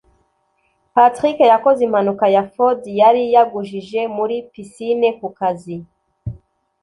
Patrick yakoze impanuka ya Ford yari yagujije muri pisine ku kazi